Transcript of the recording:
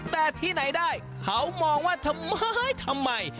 แต่ที่ไหนได้เขามองว่าทำไมทำไม